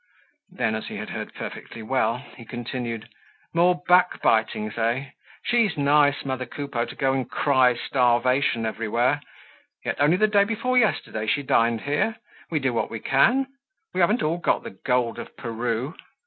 Then, as he had heard perfectly well, he continued: "More back bitings, eh? She's nice, mother Coupeau, to go and cry starvation everywhere! Yet only the day before yesterday she dined here. We do what we can. We haven't got all the gold of Peru.